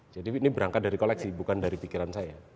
jadi ini berangkat dari koleksi bukan dari pikiran saya